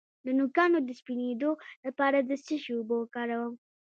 د نوکانو د سپینیدو لپاره د څه شي اوبه وکاروم؟